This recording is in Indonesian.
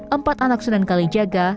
empat anak sunan kalijaga